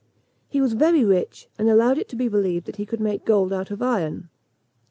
He was very rich, and allowed it to be believed that he could make gold out of iron.